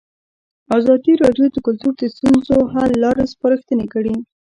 ازادي راډیو د کلتور د ستونزو حل لارې سپارښتنې کړي.